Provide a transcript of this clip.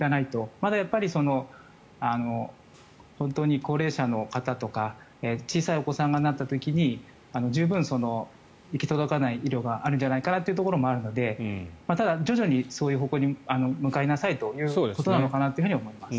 まだやっぱり本当に高齢者の方とか小さいお子さんがなった時に十分に行き届かない医療があるんじゃないかなというところもあるのでただ、徐々にそういう方向に向かいなさいということなのかなと思います。